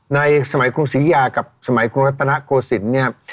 ในสมัยกรุงศรีอยุธยากับสมัยกรุงรัฐนาโกศิษฐ์